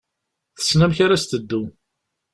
Tessen amek ara s-teddu.